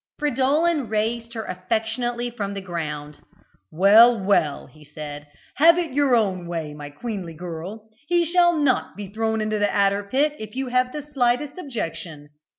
Fridolin raised her affectionately from the ground. "Well, well," he said, "have it your own way, my queenly girl; he shall not be thrown into the adder pit if you have the slightest objection.